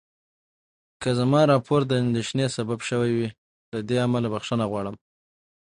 که زما راپور د اندېښنې سبب شوی وي، له دې امله بخښنه غواړم.